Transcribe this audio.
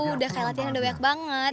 udah kayak latihan udah banyak banget